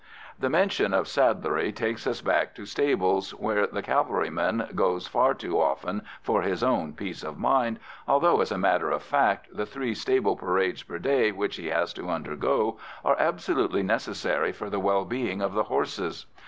The mention of saddlery takes us back to stables, where the cavalryman goes far too often for his own peace of mind, although, as a matter of fact, the three stable parades per day which he has to undergo are absolutely necessary for the well being of the horses.